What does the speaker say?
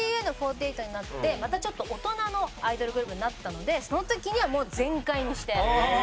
ＳＤＮ４８になってまたちょっと大人のアイドルグループになったのでその時にはもう全開にして。